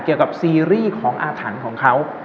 กับซีรีส์ของอาถรรพ์ของเขา